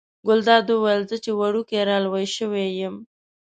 ګلداد وویل زه چې وړوکی را لوی شوی یم.